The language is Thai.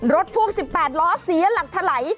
รถพ่วง๑๘ล้อเสียหลักถลาย